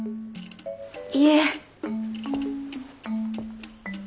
いえ。